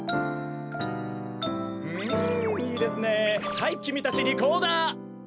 はいきみたちリコーダー。